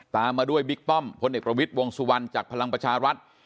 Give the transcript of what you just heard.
ตามมาด้วยบิ๊กป้อมพลเอกประวิทย์วงสุวรรณจากพลังประชารัฐ